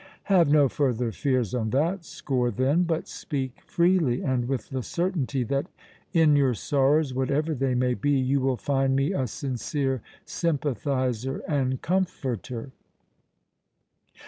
"Have no further fears on that score then, but speak freely and with the certainty that in your sorrows, whatever they may be, you will find me a sincere sympathizer and comforter."